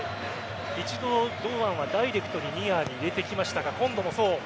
一度、堂安はダイレクトにニアに入れてきましたが今度もそう。